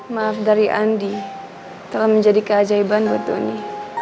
maaf dari andi telah menjadi keajaiban buat uni